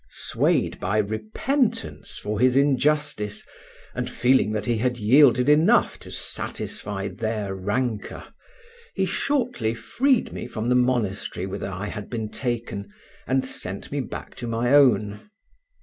Swayed by repentance for his injustice, and feeling that he had yielded enough to satisfy their rancour, he shortly freed me from the monastery whither I had been taken, and sent me back to my own.